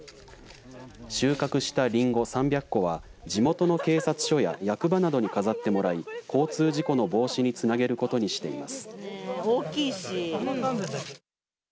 収穫したりんご３００個は地元の警察署や役場などに飾ってもらい交通事故の防止につなげることにしています。